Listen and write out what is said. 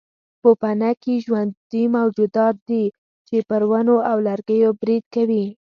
پوپنکي ژوندي موجودات دي چې پر ونو او لرګیو برید کوي.